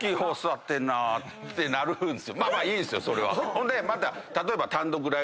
ほんでまた例えば。